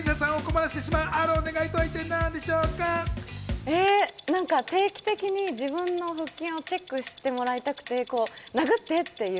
何か定期的に自分の腹筋をチェックしてもらいたくて、殴ってっていう。